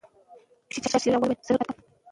ښوونکي مخکې له دې مورنۍ ژبه زده کړې وه.